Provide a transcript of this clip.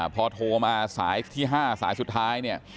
พอโทรมาสายที่๕สายสุดท้ายเนี่ย